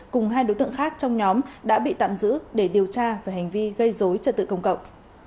cùng hai đối tượng khác trong nhóm đã bị tạm giữ để điều tra về hành vi gây dối trật tự công cộng